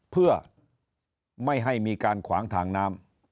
เพื่อไม่ให้มีการขวางทางน้ำ